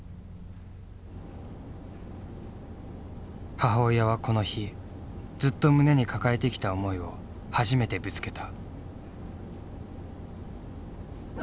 母親はこの日ずっと胸に抱えてきた思いを初めてぶつけた。